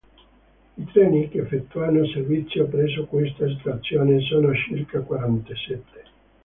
I treni che effettuano servizio presso questa stazione sono circa quarantasette.